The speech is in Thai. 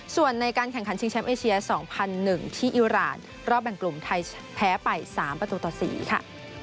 ส่วนในการแข่งขันชิงแชมป์เอเชีย๒๐๐๑ที่อิราณรอบแบ่งกลุ่มไทยแพ้ไป๓ประตูต่อ๔ค่ะ